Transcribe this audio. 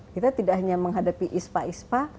kita tidak hanya menghadapi ispa ispa